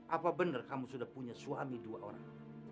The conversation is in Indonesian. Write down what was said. apa benar kamu sudah punya suami dua orang